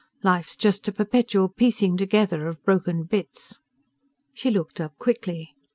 Life's just a perpetual piecing together of broken bits." She looked up quickly.